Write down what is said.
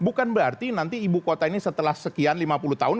bukan berarti nanti ibu kota ini setelah sekian lima puluh tahun